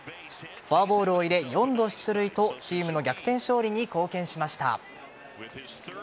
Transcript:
フォアボールを入れ４度出塁とチームの逆転勝利に貢献しました。